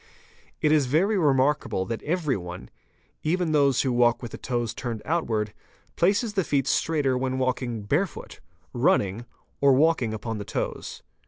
It is very remarkable that everyone, even those who walk with the toes turned outwards, places the feet straighter when walking barefoot, running, or walking upon the toes.